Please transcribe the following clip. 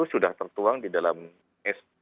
sudah tertuang di dalam sp